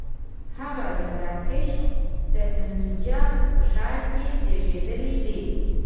هغه د مراکش د طنجه په ښار کې زېږېدلی دی.